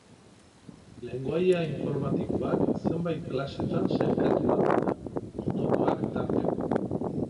Lengoaia informatikoak zenbait klasetan sailkatu ahal dira, ondokoak tarteko.